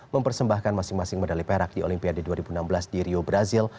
mempersembahkan masing masing medali perak di olimpiade dua ribu enam belas di rio brazil